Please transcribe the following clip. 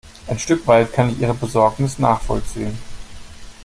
Ein Stück weit kann ich ihre Besorgnis nachvollziehen.